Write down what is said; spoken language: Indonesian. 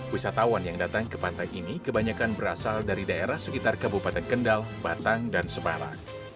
wisatawan yang datang ke pantai ini kebanyakan berasal dari daerah sekitar kabupaten kendal batang dan semarang